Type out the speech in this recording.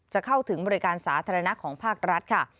จะเข้าถึงบริการสาธารณะของภาครัฐค่ะ